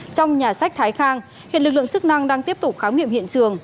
trong nhà sách thái khang hiện lực lượng chức năng đang tiếp tục khám nghiệm hiện trường